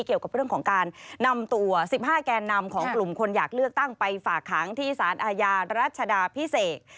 เกี่ยวกับเรื่องของการนำตัว๑๕แกนนำของกลุ่มคนอยากเลือกตั้งไปฝากขังที่สารอาญารัชดาพิเศษ